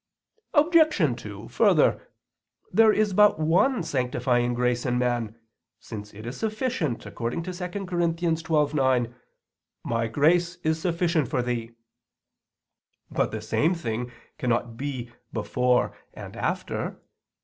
Obj. 2: Further, there is but one sanctifying grace in man, since it is sufficient, according to 2 Cor. 12:9: "My grace is sufficient for thee." But the same thing cannot be before and after.